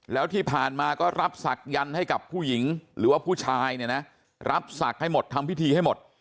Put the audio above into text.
แล้วที่ผ่านมาก็รับศักดิ์ให้กับผู้หญิงหรือว่าผู้ชายเนี่ยนะรับศักดิ์ให้หมดทำพิธีให้หมด